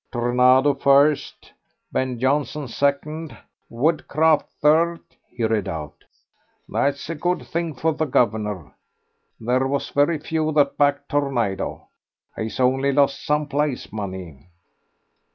"Tornado first, Ben Jonson second, Woodcraft third," he read out. "That's a good thing for the guv'nor. There was very few what backed Tornado.... He's only lost some place money."